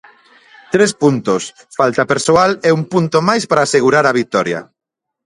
Tres puntos, falta persoal e un punto máis para asegurar a vitoria.